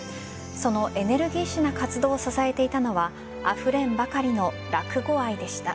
そのエネルギッシュな活動を支えていたのはあふれんばかりの落語愛でした。